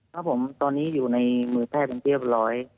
ครับผมตอนนี้อยู่ในมือแพทย์เป็นที่เรียบร้อย